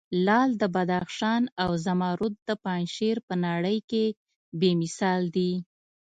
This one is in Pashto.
لعل د بدخشان او زمرود د پنجشیر په نړې کې بې مثال دي.